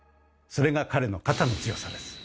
それが彼の肩の強さです。